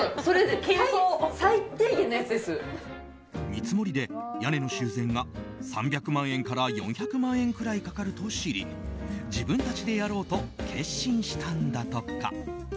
見積もりで屋根の修繕が３００万円から４００万円くらいかかると知り自分たちでやろうと決心したんだとか。